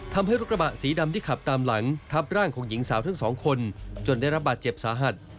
ทำให้รถกระบะสีดำที่ขับตามหลังทับร่างของหญิงสาวทั้งสองคนจนได้รับบาดเจ็บสาหัส